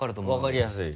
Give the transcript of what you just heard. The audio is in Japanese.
分かりやすい。